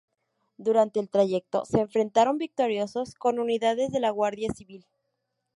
Durante el trayecto se enfrentaron victoriosos con unidades de la Guardia Civil.